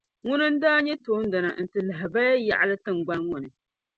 Ŋuni n daa nyɛ toondana, n-ti lahabaya yaɣili tingbani ŋɔ ni.